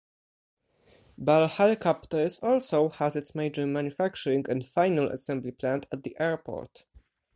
Bell Helicopters also has its major manufacturing and final assembly plant at the airport.